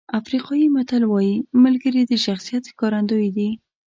افریقایي متل وایي ملګري د شخصیت ښکارندوی دي.